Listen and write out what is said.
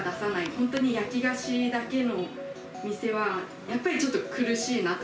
本当に焼き菓子だけの店はやっぱりちょっと苦しいなって。